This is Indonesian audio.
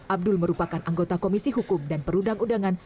abdul merupakan anggota komisi hukum dan perundang undangan